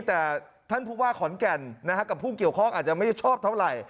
แต่ท่านผู้ว่าขอนแก่นกับผู้เกี่ยวข้องอาจจะไม่ชอบเท่าไหร่